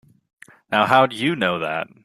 Now how'd you know that?